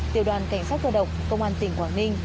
tiểu đoàn cảnh sát cơ động công an tỉnh quảng ninh